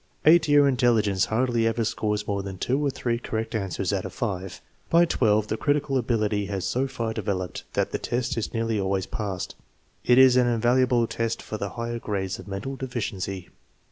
Eight year intelligence hardly ever scores more than two or three cor rect answers out of five. By 1, the critical ability has so far developed that the test is nearly always passed. It is an invaluable test for the higher grades of mental deficiency.